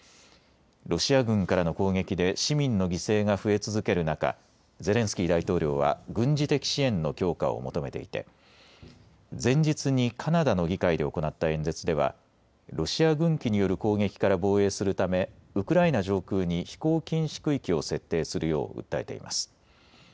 ロシア軍からの攻撃で市民の犠牲が増え続ける中、ゼレンスキー大統領は軍事的支援の強化を求めていて前日にカナダの議会で行った演説では、ロシア軍機による攻撃から防衛するためウクライナ上空に飛行禁止区域を設定するよう訴えています。